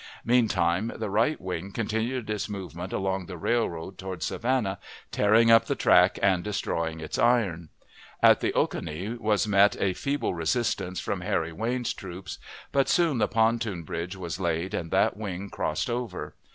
Meantime the right wing continued its movement along the railroad toward Savannah, tearing up the track and destroying its iron. At the Oconee was met a feeble resistance from Harry Wayne's troops, but soon the pontoon bridge was laid, and that wing crossed over.